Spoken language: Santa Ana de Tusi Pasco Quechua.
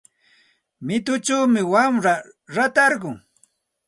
Mituchawmi wamra ratarqun.